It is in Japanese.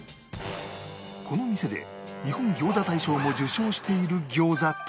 この店で日本餃子大賞も受賞している餃子とは